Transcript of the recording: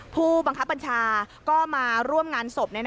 ผู้บังคับบัญชาก็มาร่วมงานศพ